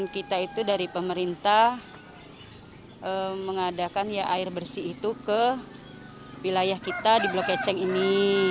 kepada pemerintah mengadakan air bersih ke wilayah kita di blok ecing ini